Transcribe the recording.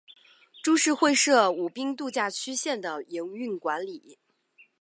株式会社舞滨度假区线的营运管理。